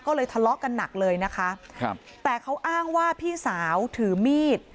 ก็เลยทะเลาะกันหนักเลยนะคะครับแต่เขาอ้างว่าพี่สาวถือมีด